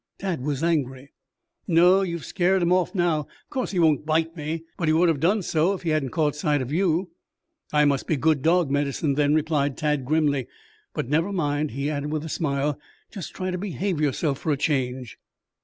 Tad was angry. "No, you've scared him off, now. Of course he won't bite me, but he would have done so if he hadn't caught sight of you." "I must be good dog medicine then," replied Tad grimly. "But, never mind," he added, with a smile, "just try to behave yourself for a change."